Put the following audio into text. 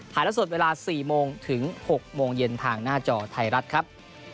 ละสดเวลา๔โมงถึง๖โมงเย็นทางหน้าจอไทยรัฐครับ